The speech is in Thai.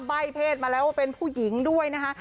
ใบ้เพศมาแล้วว่าเป็นผู้หญิงด้วยนะคะ